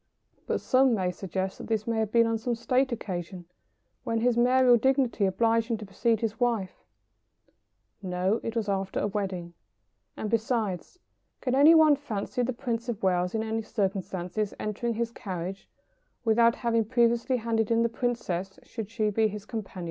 But some one may suggest that this may have been on some state occasion, when his mayoral dignity obliged him to precede his wife. [Sidenote: The lady first under every circumstance.] No. It was after a wedding. And besides, can any one fancy the Prince of Wales in any circumstances entering his carriage without having previously handed in the Princess, should she be his companion?